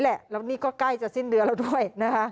และนี่ก็ใกล้สิ้นเรือเราด้วย